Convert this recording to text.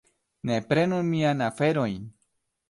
Ne prenu miajn aferojn!